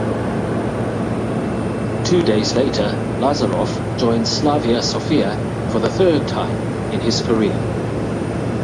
Two days later, Lazarov joined Slavia Sofia for the third time in his career.